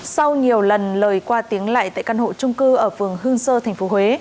sau nhiều lần lời qua tiếng lại tại căn hộ trung cư ở phường hương sơ tp huế